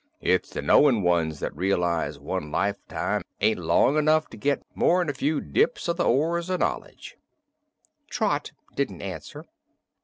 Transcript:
It's the knowing ones that realize one lifetime ain't long enough to git more'n a few dips o' the oars of knowledge." Trot didn't answer.